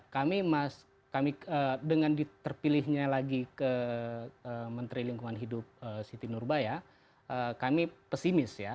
kami dengan terpilihnya lagi ke menteri lingkungan hidup siti nurbaya kami pesimis ya